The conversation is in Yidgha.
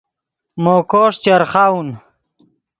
مو کوݰ چرخاؤن